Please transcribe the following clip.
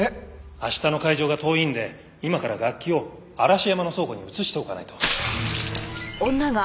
明日の会場が遠いんで今から楽器を嵐山の倉庫に移しておかないと。